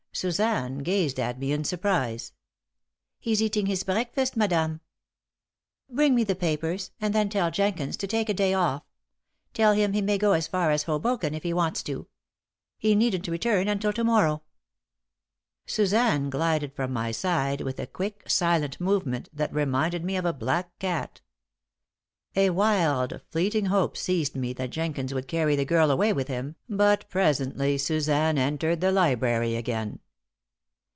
Suzanne gazed at me in surprise. "He's eating his breakfast, madame." "Bring me the papers, and then tell Jenkins to take a day off. Tell him he may go as far away as Hoboken if he wants to. He needn't return until to morrow." Suzanne glided from my side with a quick, silent movement that reminded me of a black cat. A wild, fleeting hope seized me that Jenkins would carry the girl away with him, but presently Suzanne entered the library again.